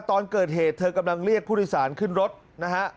ตอนเกิดเหตุเธอกำลังเรียกผู้โดยสารขึ้นรถนะฮะ